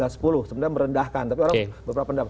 tiga ratus sepuluh sebenarnya merendahkan